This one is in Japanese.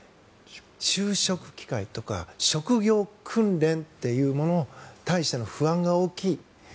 就職機会とか職業訓練というものに対しての不安が大きい。